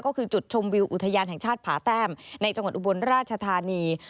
ก็คือจุดชมวิวอุทยานแห่งชาติผาแต้มในจังหวัดอุบลราชธานี